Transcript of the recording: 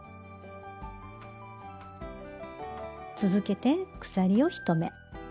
続けて鎖を１目。